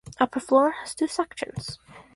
Upper floor has two sections.